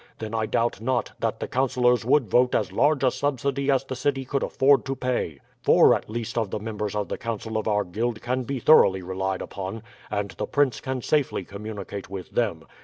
Then, I doubt not, that the councillors would vote as large a subsidy as the city could afford to pay. Four at least of the members of the council of our guild can be thoroughly relied upon, and the prince can safely communicate with them.